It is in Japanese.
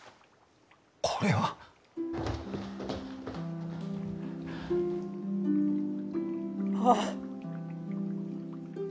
これは。ああ。